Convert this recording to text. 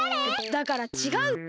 だからちがうって。